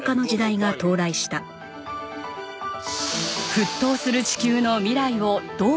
沸騰する地球の未来をどう守るのか。